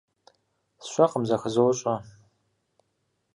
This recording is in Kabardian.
СщӀэкъым, зэхызощӀэ.